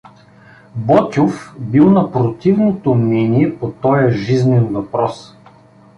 Ботйов бил на противното мнение по тоя жизнен въпрос.